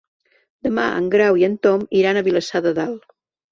Demà en Grau i en Tom iran a Vilassar de Dalt.